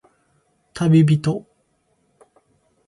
たびびと